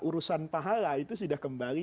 urusan pahala itu sudah kembali